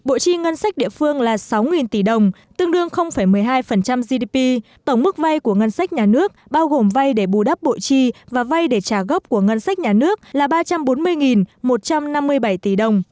bộ chi ngân sách địa phương là sáu tỷ đồng tương đương một mươi hai gdp tổng mức vay của ngân sách nhà nước bao gồm vay để bù đắp bộ chi và vay để trả gốc của ngân sách nhà nước là ba trăm bốn mươi một trăm năm mươi bảy tỷ đồng